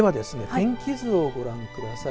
天気図をご覧ください。